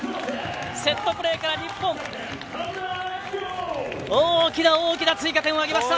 セットプレーから日本大きな大きな追加点を挙げました。